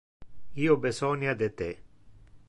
Io besonia de te